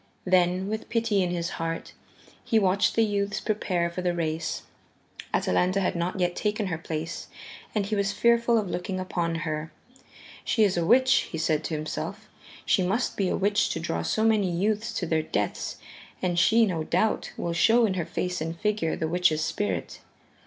Then, with pity in his heart, he watched the youths prepare for the race. Atalanta had not yet taken her place, and he was fearful of looking upon her. "She is a witch," he said to himself, "she must be a witch to draw so many youths to their deaths, and she, no doubt, will show in her face and figure the witch's spirit."